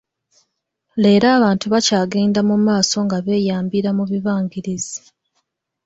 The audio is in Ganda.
Leero abantu bakyagenda mu maaso nga beeyambira mu bibangirizi.